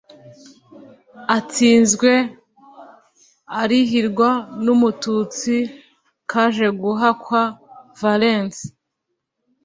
atsinzwe, arihirwa n' umututsi kajeguhakwa valens,